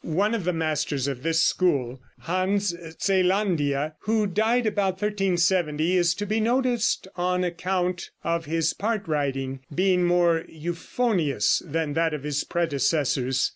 One of the masters of this school, Hans Zeelandia, who died about 1370, is to be noticed on account of his part writing being more euphonious than that of his predecessors.